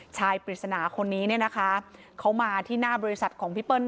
ปริศนาคนนี้เนี่ยนะคะเขามาที่หน้าบริษัทของพี่เปิ้ล